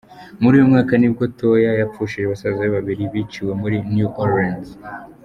Muri uyu mwaka nibwo Toya yapfushije basaza be babiri biciwe muri New Orleans.